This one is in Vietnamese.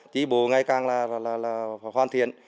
chỉ bổ ngày càng là hoàn thiện